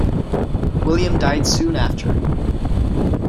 William died soon after.